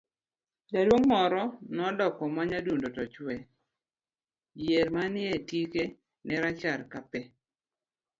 ,jaduong' moro nodonjo ma nyadundo to chwe, yier manie tike ne rachar ka pe